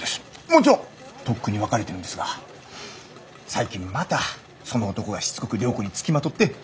もちろんとっくに別れてるんですが最近またその男がしつこく良子に付きまとって。